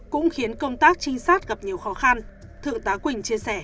cũng khiến công tác trinh sát gặp nhiều khó khăn